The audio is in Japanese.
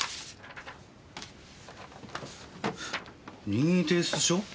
「任意提出書」？